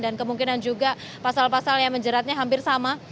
dan kemungkinan juga pasal pasal yang menjeratnya hampir sama